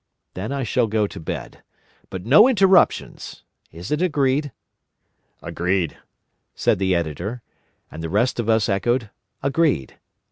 Then I shall go to bed. But no interruptions! Is it agreed?" "Agreed," said the Editor, and the rest of us echoed "Agreed."